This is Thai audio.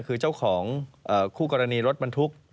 คือเจ้าของคู่กรณีรถบรรทุก